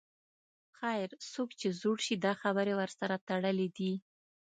خیر، څوک چې زوړ شي دا خبرې ورسره تړلې دي.